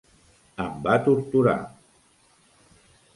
Em va torturar!